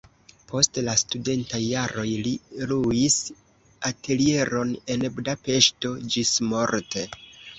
Post la studentaj jaroj li luis atelieron en Budapeŝto ĝismorte.